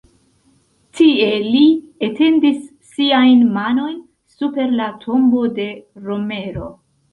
Tie li etendis siajn manojn super la tombo de Romero.